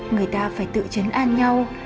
người ta phải tự chấn an nhau